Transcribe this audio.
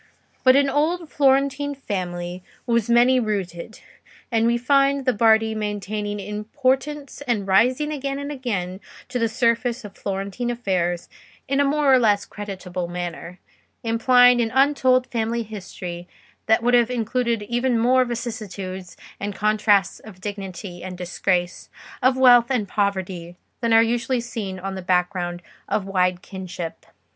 But an old Florentine family was many rooted, and we find the Bardi maintaining importance and rising again and again to the surface of Florentine affairs in a more or less creditable manner, implying an untold family history that would have included even more vicissitudes and contrasts of dignity and disgrace, of wealth and poverty, than are usually seen on the background of wide kinship.